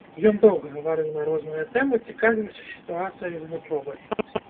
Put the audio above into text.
Ён доўга гаварыў на розныя тэмы, цікавіўся сітуацыяй з вучобай.